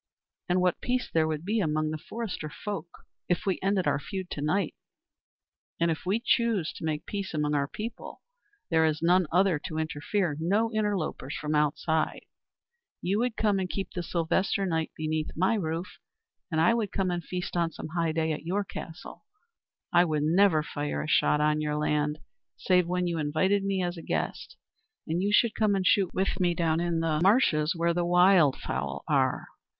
And what peace there would be among the forester folk if we ended our feud to night. And if we choose to make peace among our people there is none other to interfere, no interlopers from outside ... You would come and keep the Sylvester night beneath my roof, and I would come and feast on some high day at your castle ... I would never fire a shot on your land, save when you invited me as a guest; and you should come and shoot with me down in the marshes where the wildfowl are.